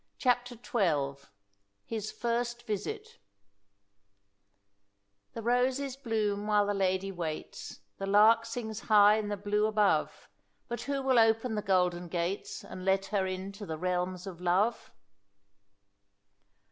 CHAPTER XII HIS FIRST VISIT "The roses bloom while the lady waits, The lark sings high in the blue above; But who will open the golden gates, And let her in to the realms of love?"